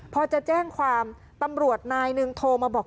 พอจะแจ้งความตำรวจนายหนึ่งโทรมาบอก